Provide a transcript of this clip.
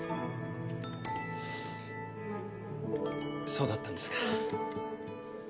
そうだったんですか。